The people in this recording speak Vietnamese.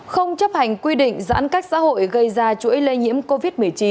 không chấp hành quy định giãn cách xã hội gây ra chuỗi lây nhiễm covid một mươi chín